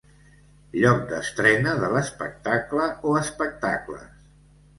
Lloc d'estrena de l'espectacle o espectacles.